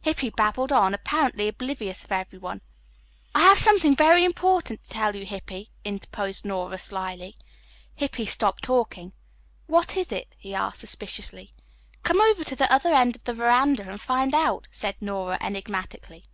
Hippy babbled on, apparently oblivious of everyone. "I have something very important to tell you, Hippy," interposed Nora slyly. Hippy stopped talking. "What is it?" he asked suspiciously. "Come over to the other end of the veranda and find out," said Nora enigmatically.